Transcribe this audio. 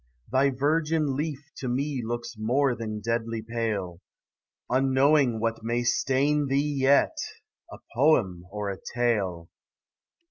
thy virgin leaf To me looks more than deadly pale, Unknowing what may stain thee yet, A poem or a tale.